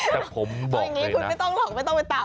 แต่ผมบอกอย่างนี้คุณไม่ต้องหรอกไม่ต้องไปตาม